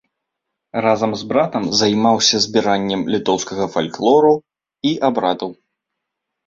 Разам з братам займаўся збіраннем літоўскага фальклору і абрадаў.